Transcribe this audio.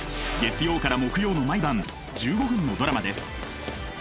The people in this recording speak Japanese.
月曜から木曜の毎晩１５分のドラマです。